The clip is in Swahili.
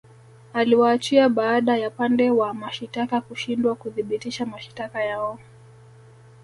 Aliwaachia baada ya upande wa mashitaka kushindwa kuthibitisha mashitaka yao